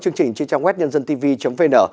chương trình trên trang web nhân dân tv vn